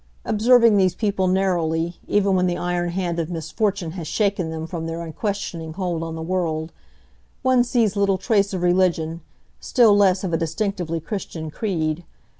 Observing these people narrowly, even when the iron hand of misfortune has shaken them from their unquestioning hold on the world, one sees little trace of religion, still less of a distinctively Christian creed.